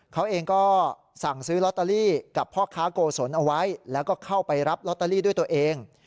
เขาเองก็สั่งซื้อลอตเตอรี่กับพ่อค้าโกศลเอาไว้แล้วก็เข้าไปรับลอตเตอรี่ด้วยตัวเอง